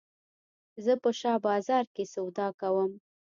زه په شاه بازار کښي سودا کوم.